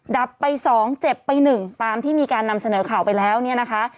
ดับไป๒เจ็บไป๑ตามที่มีการนำเสนอข่าวไปแล้วเนี่ยนะคะ